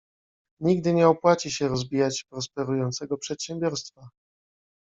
Nigdy nie opłaci się rozbijać prosperującego przedsiębiorstwa.